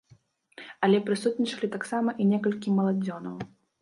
Але прысутнічалі таксама і некалькі маладзёнаў.